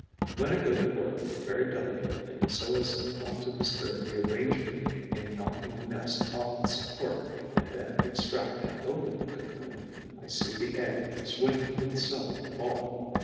When I go to work very delicately, so as not to disturb the arrangement in knocking the nest off its support, and then extract and open the cocoon, I see the egg swinging from the silken vault.